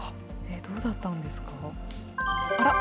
どうだったんですか。